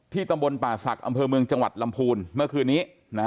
ตำบลป่าศักดิ์อำเภอเมืองจังหวัดลำพูนเมื่อคืนนี้